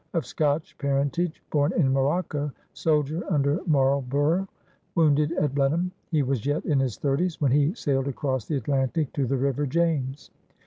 Of Scotch parentage, bom in Morocco, soldier imder Marlborough, wounded at Blenheim, he was yet in his thirties when he sailed across the Atlantic to the river James.